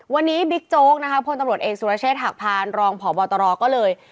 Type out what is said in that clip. วันนี้บิ๊กโจ๊กนะคะพลตำรวจเอกสุรเชษฐหักพานรองพบตรก็เลย